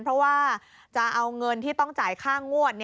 เพราะว่าจะเอาเงินที่ต้องจ่ายค่างวด